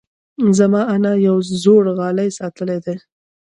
زما انا یو زوړ غالۍ ساتلی دی.